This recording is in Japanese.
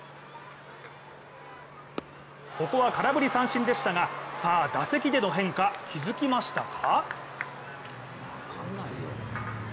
ここは空振り三振でしたがさあ打席での変化、気づきましたか？